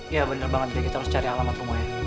iya bener banget andre kita harus cari alamat rumahnya